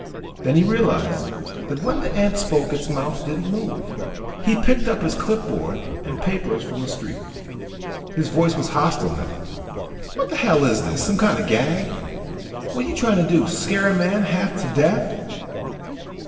Then he realized that when the ant spoke its mouth didn't move. He picked up his clipboard and papers from the street. His voice was hostile now. "What the hell is this, some kind of a gag! What are you trying to do, scare a man half to death!"